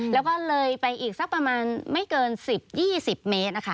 แล้วก็เลยไปอีกสักประมาณไม่เกิน๑๐๒๐เมตรนะคะ